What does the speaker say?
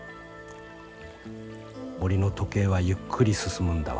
森の時計はゆっくり進むんだわ』」。